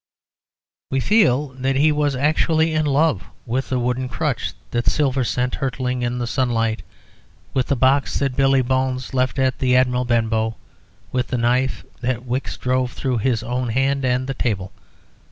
We feel that he was actually in love with the wooden crutch that Silver sent hurtling in the sunlight, with the box that Billy Bones left at the "Admiral Benbow," with the knife that Wicks drove through his own hand and the table.